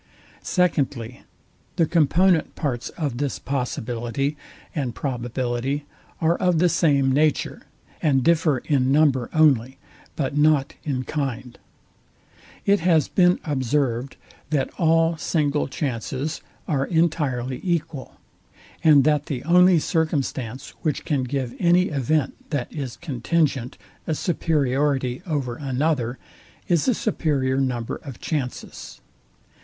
Secondly, The component parts of this possibility and probability are of the same nature, and differ in number only, but not in kind. It has been observed, that all single chances are entirely equal, and that the only circumstance, which can give any event, that is contingent, a superiority over another is a superior number of chances.